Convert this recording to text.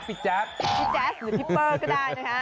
พี่แจ๊บหรือพี่เบิร์กก็ได้นะคะ